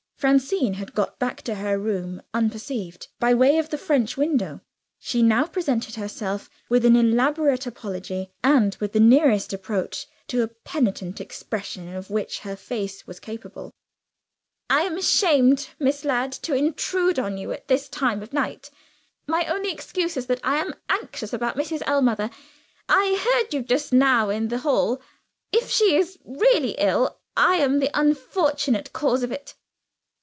Francine had got back to her room unperceived, by way of the French window. She now presented herself, with an elaborate apology, and with the nearest approach to a penitent expression of which her face was capable. "I am ashamed, Miss Ladd, to intrude on you at this time of night. My only excuse is, that I am anxious about Mrs. Ellmother. I heard you just now in the hall. If she is really ill, I am the unfortunate cause of it."